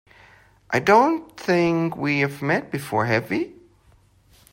I don't think we've met before, have we?